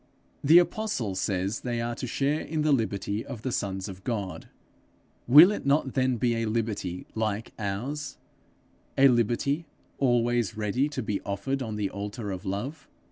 The apostle says they are to share in the liberty of the sons of God: will it not then be a liberty like ours, a liberty always ready to be offered on the altar of love?